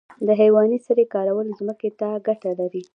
د حیواني سرې کارول ځمکې ته ګټه لري